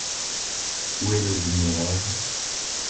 Où est le vulnéraire?